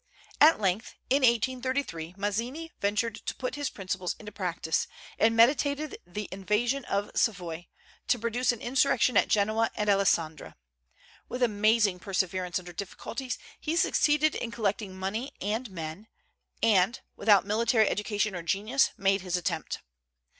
At length, in 1833, Mazzini ventured to put his principles into practice, and meditated the invasion of Savoy, to produce an insurrection at Genoa and Alessandra. With amazing perseverance under difficulties, he succeeded in collecting money and men, and, without military education or genius, made his attempt.